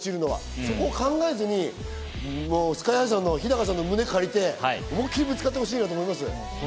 そこを考えずに日高さんの胸を借りて思い切りぶつかってほしいなと思います。